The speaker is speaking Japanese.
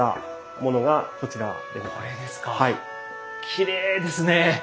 きれいですねえ。